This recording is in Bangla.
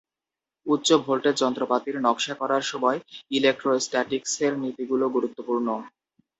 উচ্চ-ভোল্টেজ যন্ত্রপাতির নকশা করার সময় ইলেক্ট্রোস্ট্যাটিক্সের নীতিগুলি গুরুত্বপূর্ণ।